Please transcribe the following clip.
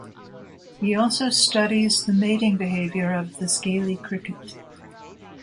He also studies the mating behaviour of the scaly cricket.